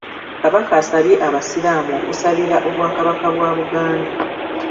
Kabaka asabye abasiraamu okusabira Obwakabaka bwa Buganda.